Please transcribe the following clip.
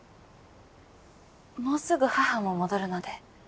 もうすぐ母も戻るので。